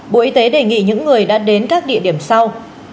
bộ y tế đề nghị những người đã đến các địa điểm sau